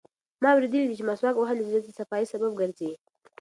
ما اورېدلي دي چې مسواک وهل د زړه د صفایي سبب ګرځي.